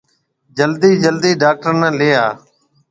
جلدِي جلدِي ڊاڪٽر نَي ليَ آ۔